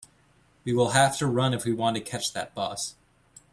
We will have to run if we want to catch that bus.